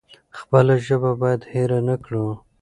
خپله ژبه بايد هېره نکړو.